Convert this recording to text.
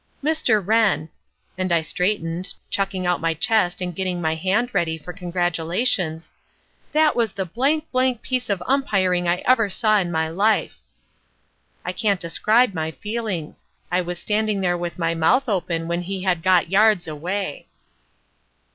"'Mr. Wrenn' (and I straightened, chucking out my chest and getting my hand ready for congratulations). 'That was the piece of umpiring I ever saw in my life.' I cannot describe my feelings. I was standing there with my mouth open when he had got yards away."